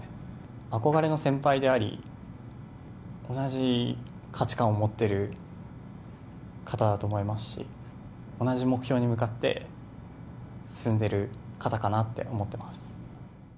憧れの先輩であり、同じ価値観を持ってる方だと思いますし、同じ目標に向かって進んでる方かなって思ってます。